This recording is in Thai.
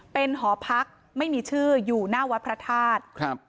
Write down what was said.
เป็นหอพักไม่มีชื่ออยู่หน้าวัดพระธาตุครับ